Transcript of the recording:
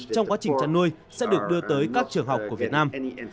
trong quá trình chăn nuôi sẽ được đưa tới các trường học của việt nam